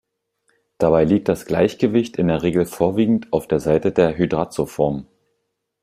Dabei liegt das Gleichgewicht in der Regel vorwiegend auf der Seite der Hydrazo-Form.